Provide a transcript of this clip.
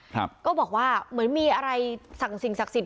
ก็บอกว่าเหมือนมีอะไรสั่งสิ่งศักดิ์สิทธ